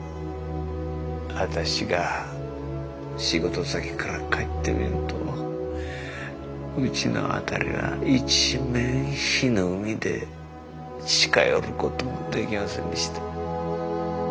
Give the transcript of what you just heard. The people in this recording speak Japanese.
私が仕事先から帰ってみるとうちの辺りは一面火の海で近寄る事もできませんでした。